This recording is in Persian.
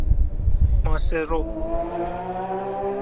ماسرو